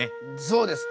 そうです。